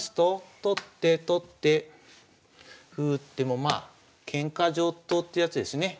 取って取って歩打ってもまあケンカ上等ってやつですね。